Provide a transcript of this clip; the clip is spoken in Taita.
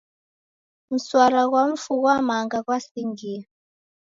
Msara ghwa mfu ghwa manga ghwasingie.